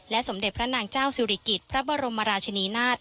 สมเด็จพระนางเจ้าศิริกิจพระบรมราชนีนาฏ